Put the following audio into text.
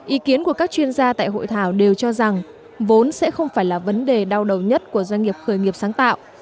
ý kiến của các chuyên gia tại hội thảo đều cho rằng vốn sẽ không phải là vấn đề đau đầu nhất của doanh nghiệp khởi nghiệp sáng tạo